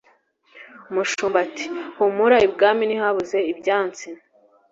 Umushumba ati"humura ibwami ntihabuze ibyansi